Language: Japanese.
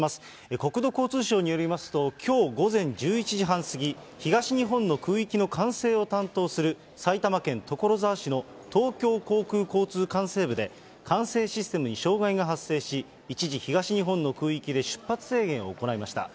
国土交通省によりますと、きょう午前１１時半過ぎ、東日本の空域の管制を担当する、埼玉県所沢市の東京航空交通管制部で、管制システムに障害が発生し、一時、東日本の空域で出発制限を行いました。